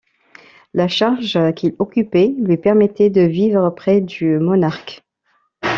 La charge qu'il occupait lui permettait de vivre près du monarque.